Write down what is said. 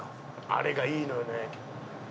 あれがいいのよね。